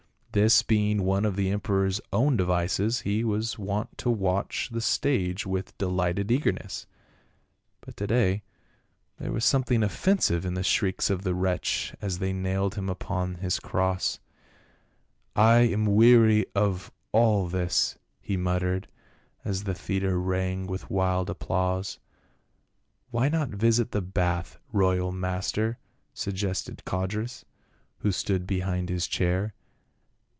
This being one of the empe ror's own devices he was wont to watch the stage with delighted eagerness, but to day there was some thing offensive in the shrieks of the wretch as they nailed him upon his cross. " I am weary of all this," he muttered, as the theatre rang with wild applause. "Why not visit the bath, royal master," suggested Codrus, who stood behind his chair.